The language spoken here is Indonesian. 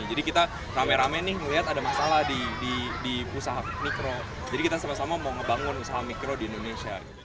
jadi kita rame rame melihat ada masalah di usaha mikro jadi kita sama sama mau ngebangun usaha mikro di indonesia